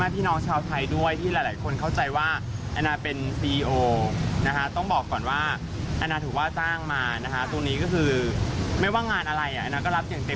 พี่ก็รู้อยู่แล้วว่าถ้าตัวอาณา